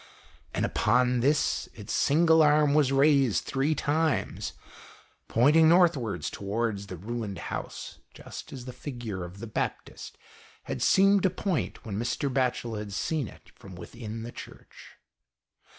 And upon this, its single arm was raised three times, pointing northwards towards the ruined house, just as the figure of the Baptist had seemed to point when Mr. Batchel had seen it from within the Church.